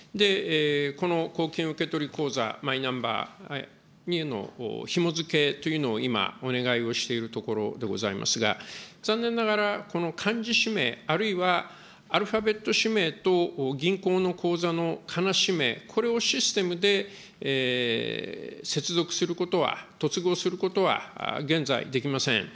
この公金受取口座、マイナンバーへのひも付けというのを今、お願いをしているところでございますが、残念ながら、漢字氏名、あるいはアルファベット氏名と銀行の口座のかな氏名、これをシステムで接続することは、突合することは現在できません。